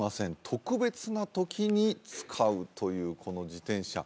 特別な時に使うというこの自転車